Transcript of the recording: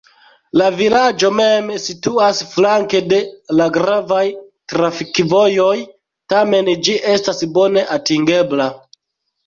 La vilaĝo mem situas flanke de la gravaj trafikvojoj, tamen ĝi estas bone atingebla.